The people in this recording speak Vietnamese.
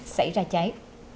xảy ra cháy